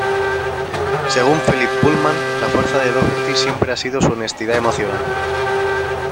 Según Philip Pullman, "la fuerza de Doherty siempre ha sido su honestidad emocional.